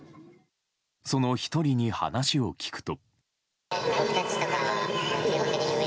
その１人に話を聞くと。